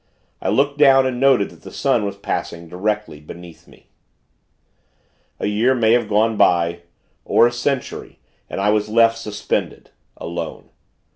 I looked down, and noted that the sun was passing directly beneath me. A year may have gone by or a century and I was left, suspended, alone.